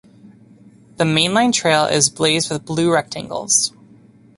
The mainline trail is blazed with blue rectangles.